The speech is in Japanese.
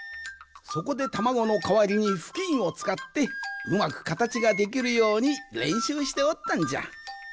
そこでたまごのかわりにふきんをつかってうまくかたちができるようにれんしゅうしておったんじゃ。